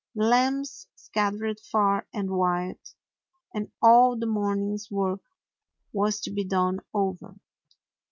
The lambs scattered far and wide, and all the morning's work was to be done over.